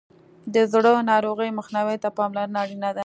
د زړه ناروغیو مخنیوي ته پاملرنه اړینه ده.